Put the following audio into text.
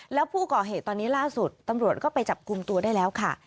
แล้วผู้ก่อเหตุตอนนี้ล่าสุดตำรวจก็ไปจับกลุ่มตัวได้แล้วค่ะ